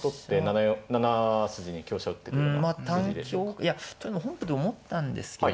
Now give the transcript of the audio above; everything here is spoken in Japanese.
いや本譜で思ったんですけど。